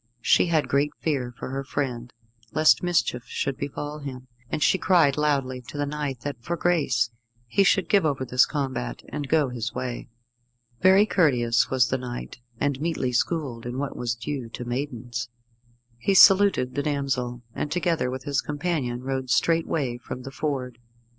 She had great fear for her friend, lest mischief should befall him, and she cried loudly to the knight that, for grace, he should give over this combat, and go his way. Very courteous was the knight, and meetly schooled in what was due to maidens. He saluted the damsel, and, together with his companion, rode straightway from the ford.